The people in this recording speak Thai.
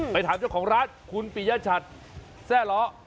ไปถามเจ้าของร้านคุณปิญญาชัตริ์แซ่หรอ